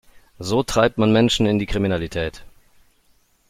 So treibt man Menschen in die Kriminalität.